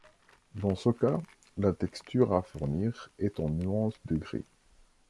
Dans ce cas, la texture à fournir est en nuances de gris.